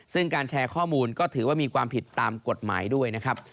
ซึ่งการแชร์ข้อมูลก็ถือว่ามีความผิดตามกฎหมายด้วยนะครับ